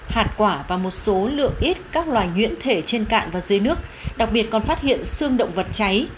hạt quả và một số lượng ít các loài nhuyễn thể trên cạn và dưới nước đặc biệt còn phát hiện xương động vật cháy